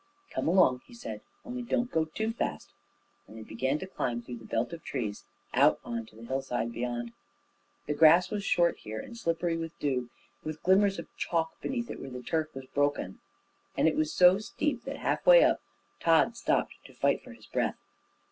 "Come along," he said, "only don't go too fast," and they began to climb through the belt of trees out on to the hillside beyond. The grass was short here and slippery with dew, with glimmers of chalk beneath it where the turf was broken; and it was so steep that half way up Tod stopped to fight for his breath.